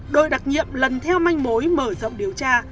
đội đặc nhiệm lần theo manh mối mở rộng điều tra